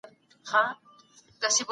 ایا تکړه پلورونکي بادام اخلي؟